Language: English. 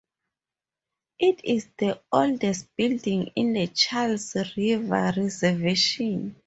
It is the oldest building in the Charles River Reservation.